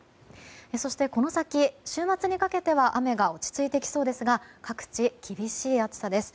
そして、この先週末にかけては雨が落ち着いてきそうですが各地厳しい暑さです。